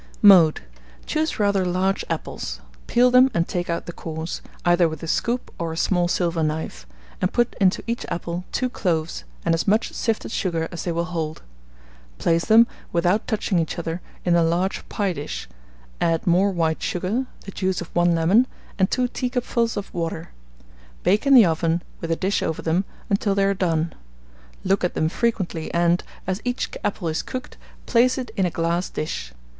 Mode. Choose rather large apples; peel them and take out the cores, either with a scoop or a small silver knife, and put into each apple 2 cloves and as much sifted sugar as they will hold. Place them, without touching each other, in a large pie dish; add more white sugar, the juice of 1 lemon, and 2 teacupfuls of water. Bake in the oven, with a dish over them, until they are done. Look at them frequently, and, as each apple is cooked, place it in a glass dish.